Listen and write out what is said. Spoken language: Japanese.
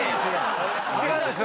違うんです